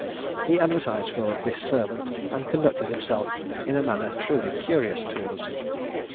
He advertised for this servant, and conducted himself in a manner truly curious towards him.